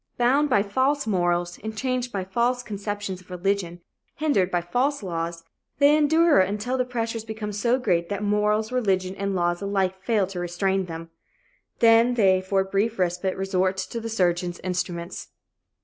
Bound by false morals, enchained by false conceptions of religion, hindered by false laws, they endure until the pressure becomes so great that morals, religion and laws alike fail to restrain them. Then they for a brief respite resort to the surgeon's instruments.